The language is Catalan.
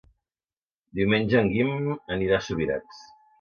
Diumenge en Guim anirà a Subirats.